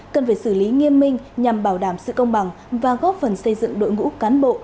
cần phải xử lý nghiêm minh nhằm bảo đảm sự công bằng và góp phần xây dựng đội ngũ cán bộ